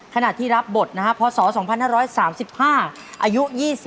ขณะที่รับบทพศ๒๕๓๕อายุ๒๕